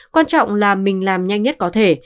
quan trọng là mình làm nhanh nhất có thể